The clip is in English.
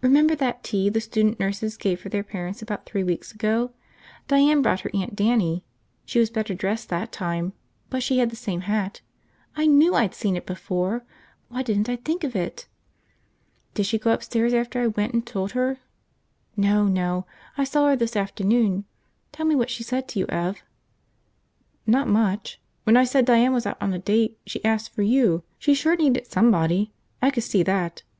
"Remember that tea the student nurses gave for their parents about three weeks ago? Diane brought her Aunt Dannie. She was better dressed that time, but she had the same hat. I knew I'd seen it before! Why didn't I think of it!" "Did she go upstairs, after I went and told her. ..." "No, no, I saw her this afternoon. Tell me what she said to you, Ev." "Not much. When I said Diane was out on a date, she asked for you. She sure needed somebody, I could see that.